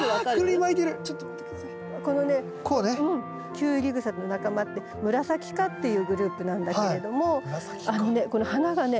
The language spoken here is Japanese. キュウリグサの仲間ってムラサキ科っていうグループなんだけれどもあのねこの花がね